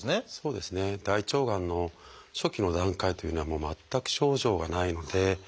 大腸がんの初期の段階というのは全く症状がないので。